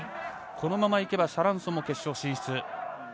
このままいけば、シャランソンも決勝進出。